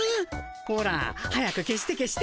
ほら早く消して消して。